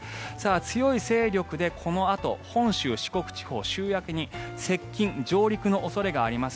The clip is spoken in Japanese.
強い勢力で、このあと本州、四国地方週明けに接近・上陸の恐れがあります。